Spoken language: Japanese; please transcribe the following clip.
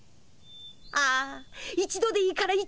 ああ一度でいいから行ってみたい。